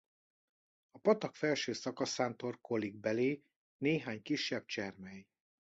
A patak felső szakaszán torkollik belé néhány kisebb csermely.